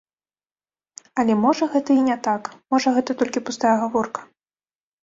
Але можа гэта і не так, можа гэта толькі пустая гаворка.